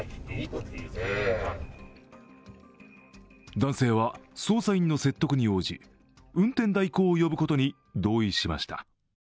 男性は捜査員の説得に応じ運転代行を呼ぶことに同意しました。